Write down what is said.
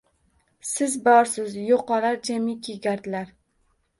Siz borsiz – yo’qolar jamiki gardlar: